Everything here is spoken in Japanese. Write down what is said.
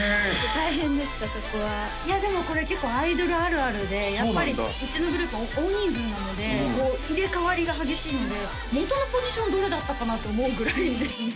大変でしたそこはいやでもこれ結構アイドルあるあるでやっぱりうちのグループ大人数なのでもう入れ代わりが激しいので元のポジションどれだったかな？って思うぐらいですね